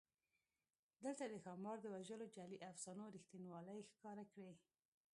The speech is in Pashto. دلته د ښامار د وژلو جعلي افسانو رښتینوالی ښکاره کړی.